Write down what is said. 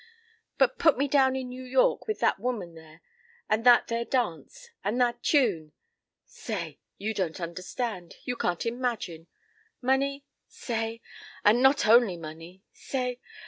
But put me down in New York with that woman there and that there dance—and that tune—Say! You don't understand. You can't imagine. Money? Say! And not only money. Say!